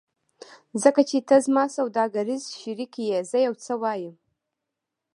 ځکه چې ته زما سوداګریز شریک یې زه یو څه وایم